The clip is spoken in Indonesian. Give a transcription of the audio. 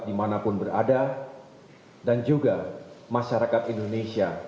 dimanapun berada dan juga masyarakat indonesia